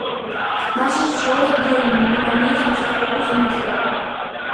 მასში ცხოვრობს მთელი ლიბანის მოსახლეობის ნახევარი.